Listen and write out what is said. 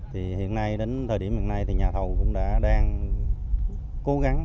thì hiện nay đến thời điểm hiện nay thì nhà thầu cũng đã đang cố gắng